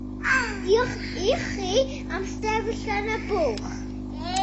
Diolch i chi am sefyll yn y bwlch.